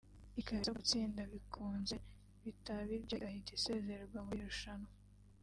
ikaba isabwa gutsinda bikunze bitaba ibyo igahita isezererwa muri iri rushanwa